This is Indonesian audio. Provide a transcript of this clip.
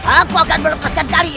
aku akan melepaskan kalian